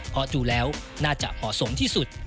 เพราะดูแล้วน่าจะเหมาะสมที่สุด